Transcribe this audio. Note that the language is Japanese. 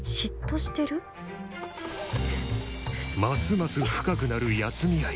ますます深くなる八海愛。